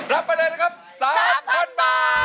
รับไปเลยนะครับ๓๐๐๐บาท